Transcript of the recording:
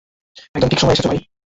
একদম ঠিক সময়ে এসেছ ভাই।